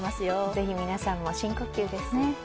是非皆さんも深呼吸です。